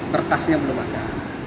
bekasnya belum ada